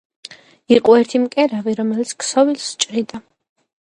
იყო ერთი მკერავი, რომელიც ქსოვილებს ჭრიდა